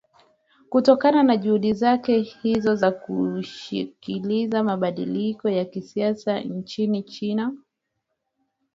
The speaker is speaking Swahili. kutokana na juhudi zake hizo za kushinikiza mabadiliko ya kisiasa nchini china